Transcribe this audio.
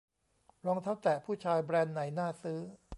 รองเท้าแตะผู้ชาย แบรนด์ไหนน่าซื้อ